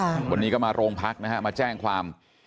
วันนี้ก็มาโรงพักนะฮะมาแจ้งความ